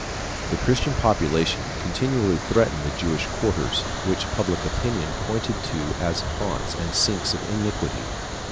The Christian population continually threatened the Jewish quarters, which public opinion pointed to as haunts and sinks of iniquity.